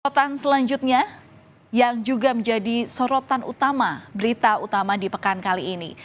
sototan selanjutnya yang juga menjadi sorotan utama berita utama di pekan kali ini